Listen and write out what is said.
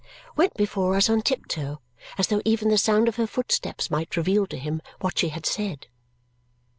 went before us on tiptoe as though even the sound of her footsteps might reveal to him what she had said.